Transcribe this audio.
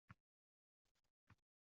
Frantsuz adibining go’zal asari bor.